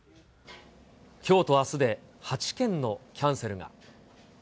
きょうとあすで８件のキャンセルが。